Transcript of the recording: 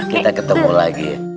kita ketemu lagi